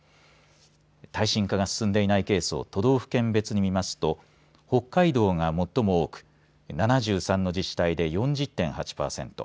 耐震化が進んでいないケースを都道府県別に見ますと北海道が最も多く７３の自治体で４０．８パーセント。